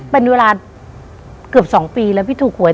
เป็นเวลาเกือบ๒ปีแล้วพี่ถูกหวย